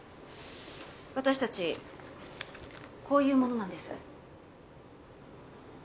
私たちこういう者なんです。